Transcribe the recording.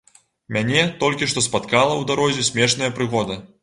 Мяне толькі што спаткала ў дарозе смешная прыгода.